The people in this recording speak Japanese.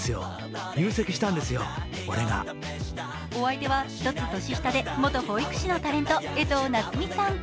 お相手は１つ年下で元保育士のタレント、江藤菜摘さん